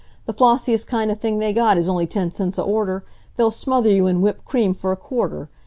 The flossiest kind of thing they got is only ten cents a order. They'll smother you in whipped cream f'r a quarter.